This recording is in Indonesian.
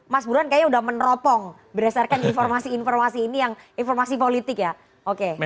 mas burhan kayaknya udah meneropong berdasarkan informasi informasi ini yang informasi politik ya oke